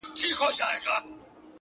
زما له زړه څخه غمونه ولاړ سي،